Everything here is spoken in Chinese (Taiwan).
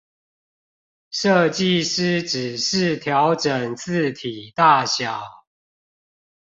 設計師只是調整字體大小